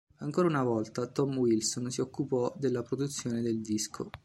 Ancora una volta, Tom Wilson si occupò della produzione del disco.